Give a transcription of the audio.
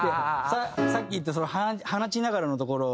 さっき言った「放ちながら」のところも。